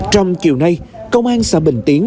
trong chiều nay công an xã bình tiến